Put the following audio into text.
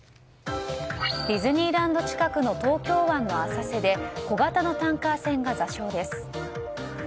ディズニーランド近くの東京湾の浅瀬で小型のタンカー船が座礁です。